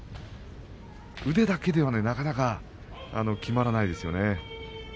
腕だけでは、なかなかきまらないですよね。